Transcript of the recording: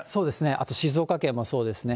あと静岡県もそうですね。